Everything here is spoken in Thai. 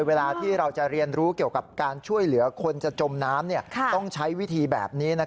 เวลาที่เราจะเรียนรู้เกี่ยวกับการช่วยเหลือคนจะจมน้ำต้องใช้วิธีแบบนี้